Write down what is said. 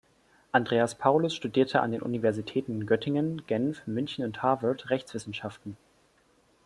Andreas Paulus studierte an den Universitäten Göttingen, Genf, München und Harvard Rechtswissenschaften.